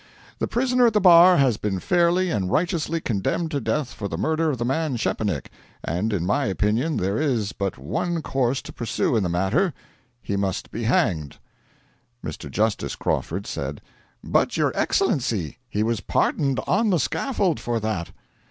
The prisoner at the bar has been fairly and righteously condemned to death for the murder of the man Szczepanik, and, in my opinion, there is but one course to pursue in the matter: he must be hanged.' Mr. Justice Crawford said: 'But, your Excellency, he was pardoned on the scaffold for that.'